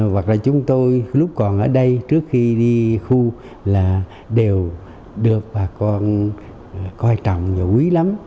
hoặc là chúng tôi lúc còn ở đây trước khi đi khu là đều được bà con coi trọng và quý lắm